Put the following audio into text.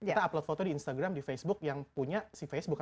kita upload foto di instagram di facebook yang punya si facebook